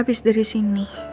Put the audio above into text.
abis dari sini